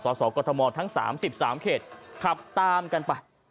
สสกรทมทั้ง๓๓เขตขับตามกันไป